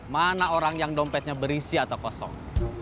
mana orang yang dompetnya berisi atau kosong